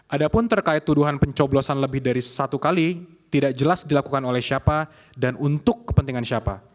ada pun terkait tuduhan pencoblosan lebih dari satu kali tidak jelas dilakukan oleh siapa dan untuk kepentingan siapa